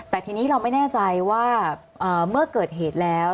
แต่ทีนี้เราไม่แน่ใจว่าเมื่อเกิดเหตุแล้ว